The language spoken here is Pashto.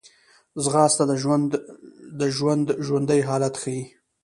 ځغاسته د ژوند ژوندي حالت ښيي